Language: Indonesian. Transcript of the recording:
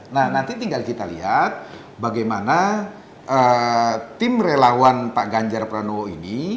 nah nanti tinggal kita lihat bagaimana tim relawan pak ganjar pranowo ini